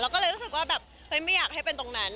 ก็เลยรู้สึกว่าแบบเฮ้ยไม่อยากให้เป็นตรงนั้น